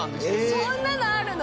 そんなのあるの？